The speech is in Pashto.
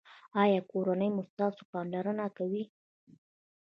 ایا کورنۍ مو ستاسو پاملرنه کوي؟